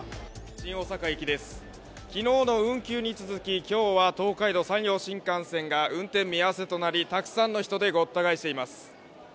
新大阪駅です、昨日の運休に続き今日は東海道・山陽新幹線が運転見合わせとなりたくさんの人で、ごった返しています。